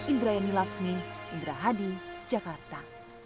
indra yani lakshmi indra hadi jakarta